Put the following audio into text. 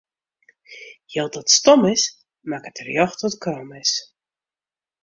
Jild dat stom is, makket rjocht wat krom is.